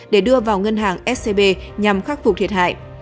để đưa vào ngân hàng scb nhằm khắc phục thiệt hại